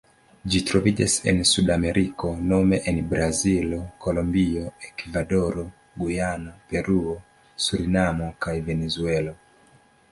Ĝi troviĝas en Sudameriko nome en Brazilo, Kolombio, Ekvadoro, Gujano, Peruo, Surinamo kaj Venezuelo.